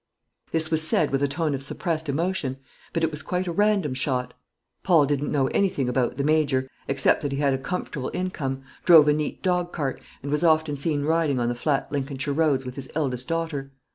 This was said with a tone of suppressed emotion; but it was quite a random shot. Paul didn't know anything about the Major, except that he had a comfortable income, drove a neat dog cart, and was often seen riding on the flat Lincolnshire roads with his eldest daughter.